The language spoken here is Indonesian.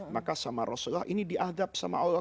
maka sama rasulullah ini diadab sama allah